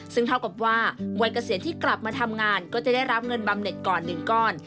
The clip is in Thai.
ซึ่งเท่ากับว่าวัยเกษียณที่กลับมาทำงานก็จะได้รับเงินบำเน็ตก่อน๑ก้อน